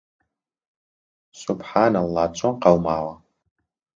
سوبحانەڵڵا چۆن قەوماوە!